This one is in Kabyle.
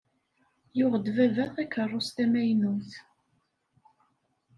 Yuɣ-d baba takarust tamaynut.